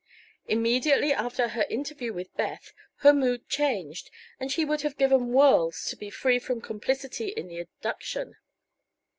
Immediately after her interview with Beth her mood changed, and she would have given worlds to be free from complicity in the abduction.